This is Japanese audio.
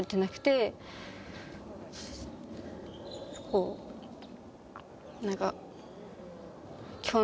こう何か。